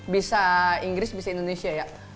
bisa inggris bisa indonesia ya